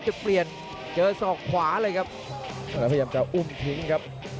กระโดยสิ้งเล็กนี่ออกกันขาสันเหมือนกันครับ